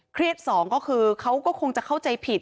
เครียด๒ก็คือเขาก็คงจะเข้าใจผิด